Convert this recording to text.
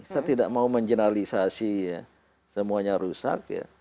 saya tidak mau menjeneralisasi semuanya rusak